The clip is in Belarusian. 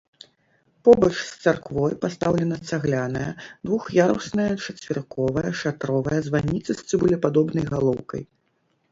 Побач з царквой пастаўлена цагляная двух'ярусная чацверыковая шатровая званіца з цыбулепадобнай галоўкай.